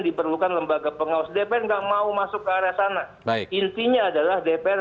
diperlukan lembaga pengawas dpr enggak mau masuk ke arah sana baik intinya adalah dpr